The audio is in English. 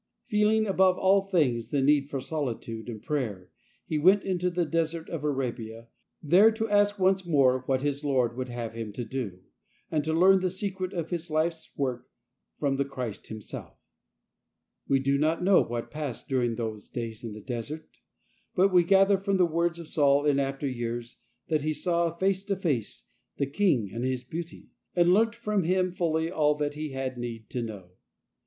; Feeling above all things the need for solitude ; and prayer, he went into the desert of Arabia, ! there to ask once more what his Lord would have him to do, and to learn the secret of his | life's work from the Christ Himself. I We do not know what passed during those S days in the desert, but we gather from the words of Saul in after years that he saw face to face " the King in His beauty," and learnt from Him fully all that he had need to know.